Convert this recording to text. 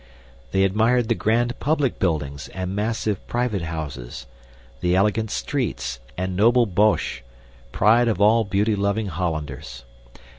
They admired the grand public buildings and massive private houses, the elegant streets, and noble Bosch pride of all beauty loving Hollanders.